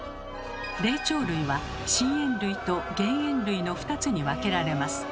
霊長類は真猿類と原猿類の２つに分けられます。